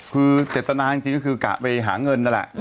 คือเจ็บตนาจริงคือกะไปหาเงินด้วยแหละ